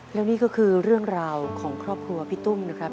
แล้วนี่ก็คือเรื่องราวของครอบครัวพี่ตุ้มนะครับ